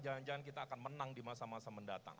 jangan jangan kita akan menang di masa masa mendatang